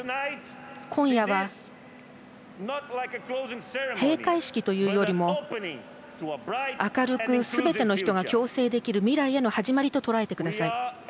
今夜は、閉会式というよりも明るくすべての人が共生できる未来への始まりととらえてください。